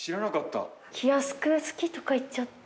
気安く好きとか言っちゃったな。